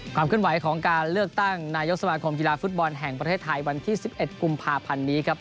ขึ้นไหวของการเลือกตั้งนายกสมาคมกีฬาฟุตบอลแห่งประเทศไทยวันที่๑๑กุมภาพันธ์นี้ครับ